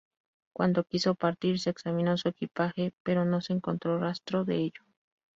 Cuando quiso partir se examinó su equipaje, pero no se encontró rastro de ello.